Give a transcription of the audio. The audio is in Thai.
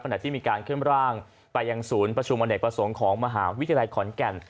ขณะที่มีการเคลื่อนร่างไปยังศูนย์ประชุมอเนกประสงค์ของมหาวิทยาลัยขอนแก่น